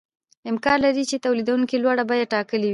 امکان لري چې تولیدونکي لوړه بیه ټاکلې وي